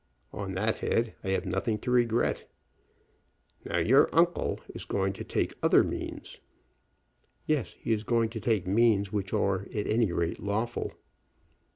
On that head I have nothing to regret. Now your uncle is going to take other means." "Yes; he is going to take means which, are, at any rate, lawful."